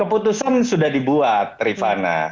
keputusan sudah dibuat rifana